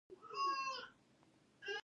پاچا خپله دنده په سمه توګه نشي ترسره کولى .